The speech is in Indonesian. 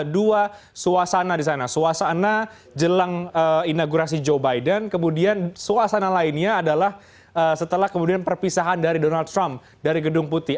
dua suasana di sana suasana jelang inaugurasi joe biden kemudian suasana lainnya adalah setelah kemudian perpisahan dari donald trump dari gedung putih